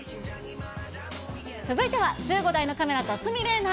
続いては、１５台のカメラと鷲見玲奈。